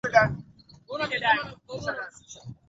ili awe ameondoka na heshima kidogo asiwe amekimbia mbio